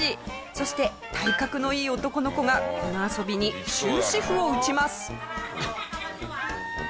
そして体格のいい男の子がこの遊びに終止符を打ちます。